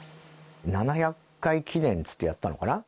７００回記念っつってやったのかな。